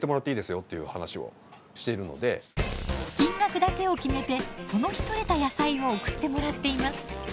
金額だけを決めてその日とれた野菜を送ってもらっています。